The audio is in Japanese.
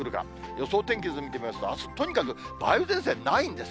予想天気図見てみますと、あす、とにかく梅雨前線ないんです。